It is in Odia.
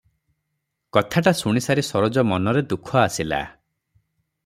କଥାଟା ଶୁଣିସାରି ସରୋଜ ମନରେ ଦୁଃଖ ଆସିଲା ।